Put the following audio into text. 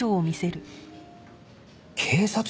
警察？